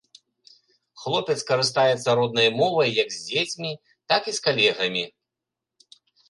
Хлопец карыстаецца роднай мовай як з дзецьмі, так і з калегамі.